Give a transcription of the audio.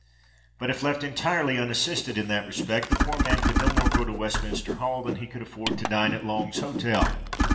But if left entirely unassisted in that respect, the poor man could no more go to Westminster Hall than he could afford to dine at Long's Hotel.